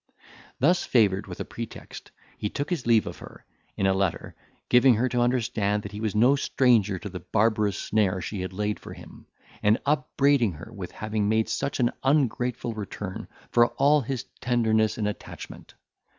Thus favoured with a pretext, he took his leave of her, in a letter, giving her to understand, that he was no stranger to the barbarous snare she had laid for him; and upbraiding her with having made such an ungrateful return for all his tenderness and attachment.